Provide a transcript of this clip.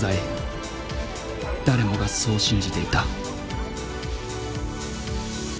誰もがそう信じていた。